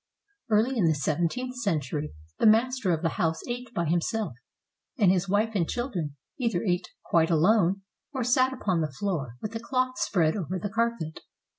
Early in the seventeenth century, the master of the house ate by himself, and his wife and children either ate quite alone, or sat upon the floor, with a cloth spread over the carpet.